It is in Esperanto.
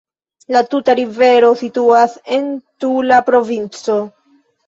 La tuta rivero situas en Tula provinco.